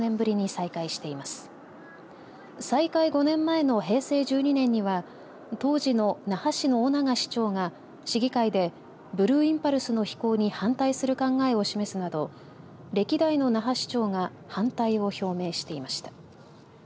再開５年前の平成１２年には当時の那覇市の翁長市長が市議会でブルーインパルスの飛行に反対する考えを示すなど歴代の那覇市長が反対を表明していました。